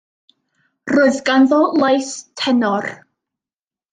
Roedd ganddo lais tenor.